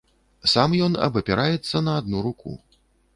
Сам ён абапіраецца на адну руку.